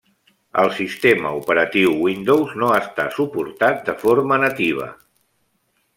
El sistema operatiu Windows no està suportat de forma nativa.